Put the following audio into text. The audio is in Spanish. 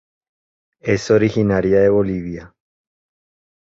Es originaria de Bolivia.